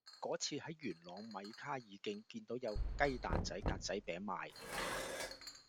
嗰次喺元朗卡米爾徑見到有雞蛋仔格仔餅賣